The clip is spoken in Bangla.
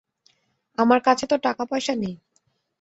আমার কাছে তো টাকাপয়সা নেই।